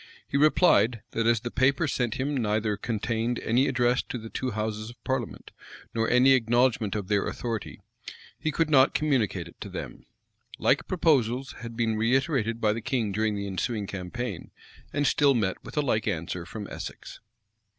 He replied, that as the paper sent him neither contained any address to the two houses of parliament, nor any acknowledgment of their authority, he could not communicate it to them. Like proposals had been reiterated by the king during the ensuing campaign, and still met with a like answer from Essex.[] * Clarendon, vol. iii. p. 442. Rush, vol vi. p. 566. Whitlocke, p.